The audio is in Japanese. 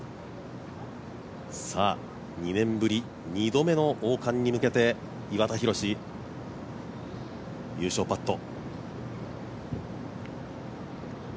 ２年ぶり２度目の王冠に向けて岩田寛優勝パット。